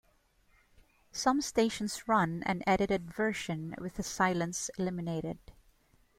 Some stations run an edited version with the silence eliminated.